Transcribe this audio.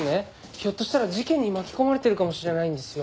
ひょっとしたら事件に巻き込まれてるかもしれないんですよ。